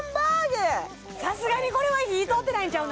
さすがにこれは火通ってないんちゃう？